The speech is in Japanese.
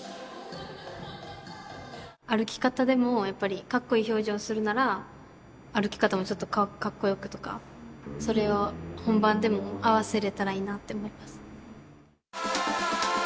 歩き方でも、やっぱりかっこいい表情をするなら、歩き方もうちょっとかっこよくとか、それを本番でも合わせれたらいいなって思います。